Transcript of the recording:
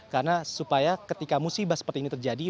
karena supaya ketika musibah seperti ini terjadi